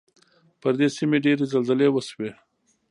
پر دې سیمې ډېرې زلزلې وشوې.